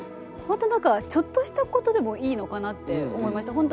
本当になんかちょっとしたことでもいいのかなって思いました。